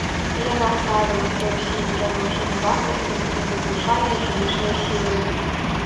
Яна славілася ўсімі жаночымі вартасцямі і незвычайнай фізічнай сілай.